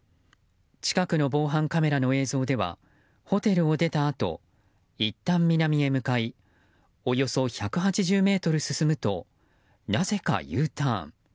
近くの防犯カメラの映像ではホテルを出たあといったん南へ向かいおよそ１８０ｍ進むとなぜかＵターン。